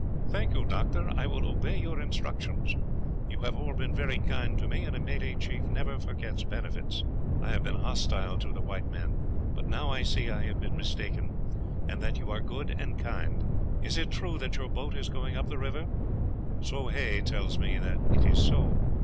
"Thank you, Doctor, I will obey your instructions. You have all been very kind to me, and a Malay chief never forgets benefits. I have been hostile to the white men, but now I see I have been mistaken, and that you are good and kind. Is it true that your boat is going up the river? Soh Hay tells me that it is so."